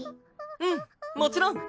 うんもちろん。